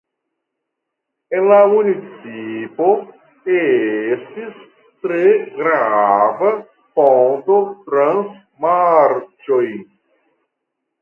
En la municipo estis tre grava ponto trans marĉoj.